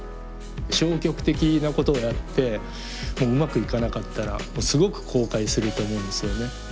消極的なことをやってうまくいかなかったらすごく後悔すると思うんですよね。